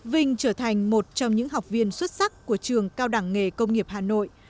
vinh trở thành một trong những học viên xuất sắc của trường cao đẳng nghề công nghiệp hà nội